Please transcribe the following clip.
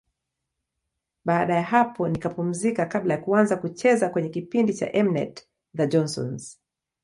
Baada ya hapo nikapumzika kabla ya kuanza kucheza kwenye kipindi cha M-net, The Johnsons.